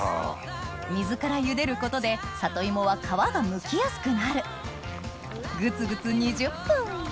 水からゆでることで里芋は皮がむきやすくなるグツグツ２０分！